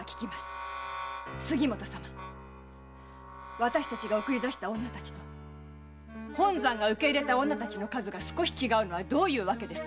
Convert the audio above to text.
私たちが送り出した女たちと本山が受け入れた女たちの数が少し違うのはどういう訳です？